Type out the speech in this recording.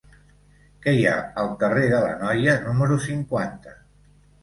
Què hi ha al carrer de l'Anoia número cinquanta?